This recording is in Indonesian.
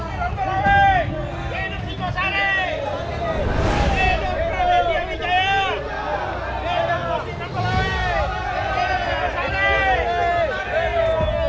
hidup gusti ronggolole